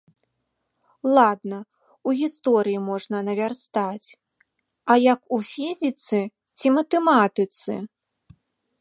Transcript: Ладна, у гісторыі можна навярстаць, а як у фізіцы ці матэматыцы?